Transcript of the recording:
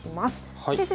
先生